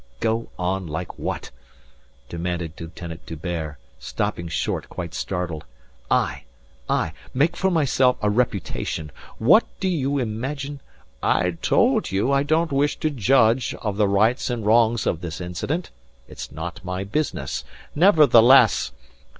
"Go on like what?" demanded Lieutenant D'Hubert, stopping short, quite startled. "I! I! make for myself a reputation.... What do you imagine " "I told you I don't wish to judge of the rights and wrongs of this incident. It's not my business. Nevertheless...."